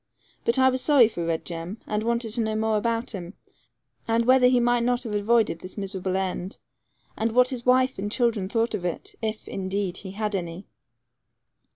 But I was sorry for Red Jem, and wanted to know more about him, and whether he might not have avoided this miserable end, and what his wife and children thought of it, if, indeed, he had any.